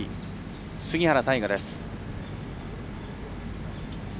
杉原大河です。